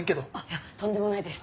いやとんでもないです。